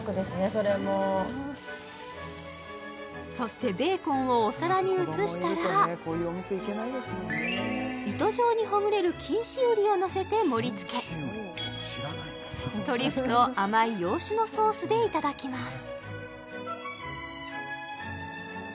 それもそしてベーコンをお皿に移したら糸状にほぐれる錦糸瓜をのせて盛りつけトリュフと甘い洋酒のソースでいただきます